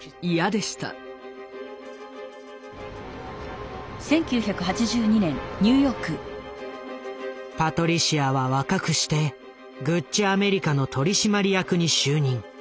私はただただパトリシアは若くしてグッチ・アメリカの取締役に就任。